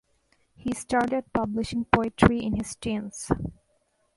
He started publishing poetry in his teens.